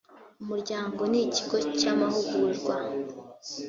umuryango ni ikigo cy’ amahugurwa